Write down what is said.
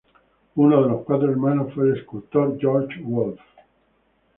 Uno de sus cuatro hermanos fue el escultor Georg Wolf.